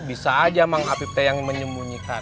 bisa aja mang apipte yang menyemunyikan